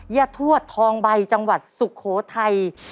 ทวดทองใบจังหวัดสุโขทัย